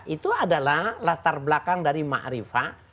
itu adalah latar belakang dari ma'rifah